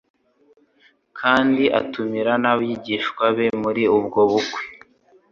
kandi atumira n'abigishwa be muri ubwo bukwe.